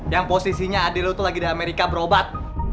yang posisinya adi lu tuh lagi di amerika berobat